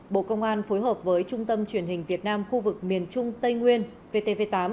bộ công an phối hợp với trung tâm truyền hình việt nam khu vực miền trung tây nguyên vtv tám